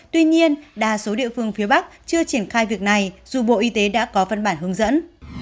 tuy nhiên đa số địa phương phía bắc chưa triển khai việc này dù bộ y tế đã có văn bản hướng dẫn